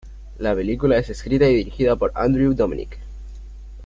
La película es escrita y dirigida por Andrew Dominik.